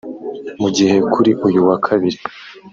Mu gihe kuri uyu wa Kabiri